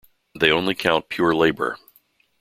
They only count pure labour.